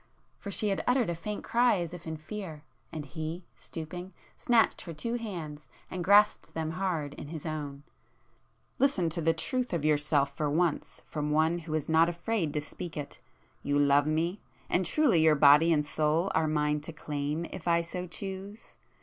for she had uttered a faint cry as if in fear,—and he, stooping, snatched her two hands and grasped them hard in his own—"Listen to the truth of yourself for once from one who is not afraid to speak it!—you love me,—and truly your body and soul are mine to claim, if I so choose!